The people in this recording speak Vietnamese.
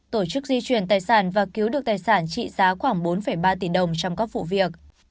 tổ chức di chuyển tài sản và cứu được tài sản trị giá khoảng bốn ba tỷ đồng trong các vụ việc